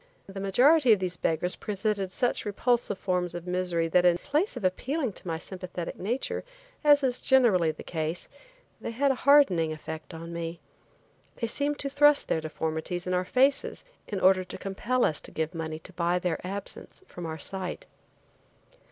The majority of these beggars presented such repulsive forms of misery that in place of appealing to my sympathetic nature, as is generally the case, they had a hardening effect on me. They seemed to thrust their deformities in our faces in order to compel us to give money to buy their absence from our sight.